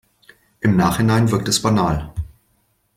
Im Nachhinein wirkt es banal.